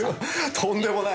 とんでもない！